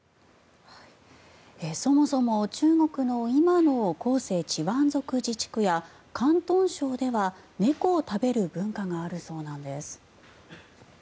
そもそも中国の今の広西チワン族自治区や広東省では猫を食べる文化があるそうなんです。